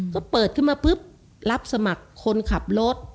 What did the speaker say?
ก็เปิดขึ้นมาปุ๊บรับสมัครคนขับรถ